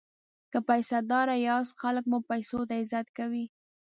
که پیسه داره یاست خلک مو پیسو ته عزت کوي.